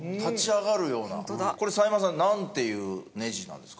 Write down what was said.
これ斎間さんなんていうネジなんですか？